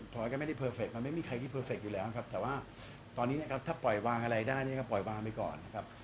มันก็ไม่ได้เพอร์เฟคมันไม่มีใครที่เพอร์เฟคอยู่แล้วครับแต่ว่าตอนนี้นะครับถ้าปล่อยวางอะไรได้เนี่ยก็ปล่อยวางไปก่อนนะครับ